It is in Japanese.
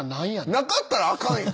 なかったらあかんねん。